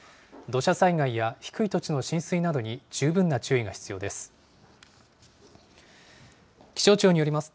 土砂災害や低い土地の浸水などに十分な注意が必要です。